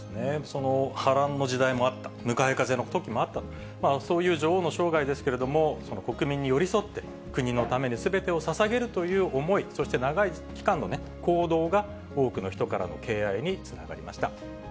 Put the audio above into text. その波乱の時代もあった、向かい風のときもあったと、そういう女王の生涯ですけれども、国民に寄り添って、国のためにすべてをささげるという思い、そして長い期間の行動が、多くの人からの敬愛につながりました。